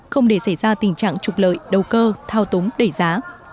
không để xảy ra tình trạng trục lợi đầu cơ thao túng đẩy giá